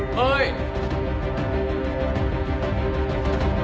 はい。